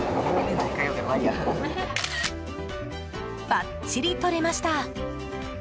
ばっちり撮れました。